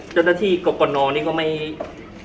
เจ้าหน้าที่กรกนนี่ก็ไม่